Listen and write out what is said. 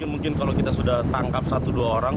mungkin kalau kita sudah tangkap satu dua orang